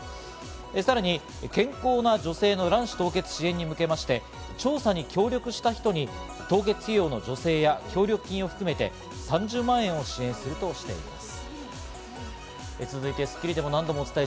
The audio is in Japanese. さらに健康な女性の卵子凍結支援に向けまして、調査に協力した人に凍結費用の助成や協力金を含めて３０万円を支援するとしています。